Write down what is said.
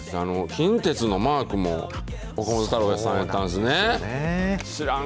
近鉄のマークも岡本太郎さんやったんですね。